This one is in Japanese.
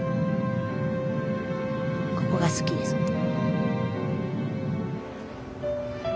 ここが好きです。